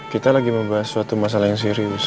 kita lagi membahas suatu masalah yang serius